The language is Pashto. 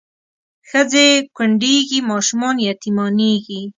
ښځې کونډېږي ماشومان یتیمانېږي